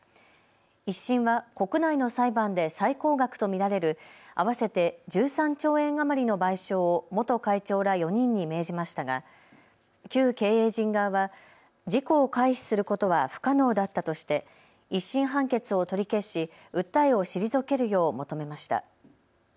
１審は国内の裁判で最高額と見られる合わせて１３兆円余りの賠償を元会長ら４人に命じましたが旧経営陣側は事故を回避することは不可能だったとして１審判決を取り消し訴えを退けるよう求めました。